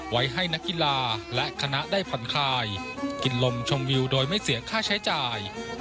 ไว้ให้นักกีฬาและคณะได้ผ่อนคลายกินลมชมวิวโดยไม่เสียค่าใช้จ่าย